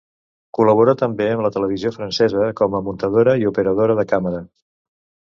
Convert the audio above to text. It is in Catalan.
Col·labora també amb la televisió francesa com a muntadora i operadora de càmera.